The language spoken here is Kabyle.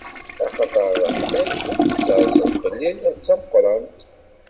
Axaṭer ṛṛeḥma-k i d-tserseḍ fell-i, d tameqqrant.